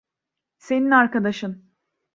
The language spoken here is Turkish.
Senin arkadaşın.